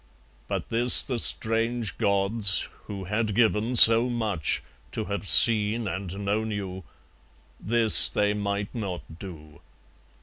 But this the strange gods, who had given so much, To have seen and known you, this they might not do.